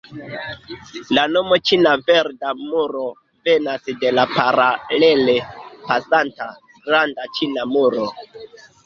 La nomo Ĉina Verda Muro venas de la paralele pasanta Granda Ĉina Muro.